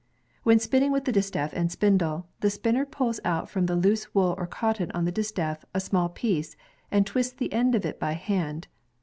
. When spinning with the distaff and spindle, the spinner pulls out from the loose wool or cotton on the dis taff, a small piece, and twists the end of it by hand.